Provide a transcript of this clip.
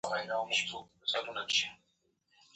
خو مؤلده ځواکونه په خپل ډول ودې ته دوام ورکوي.